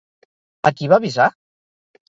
A qui va avisar?